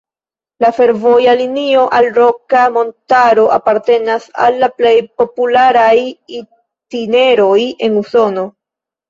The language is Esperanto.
La fervoja linio al Roka Montaro apartenas al la plej popularaj itineroj en Usono.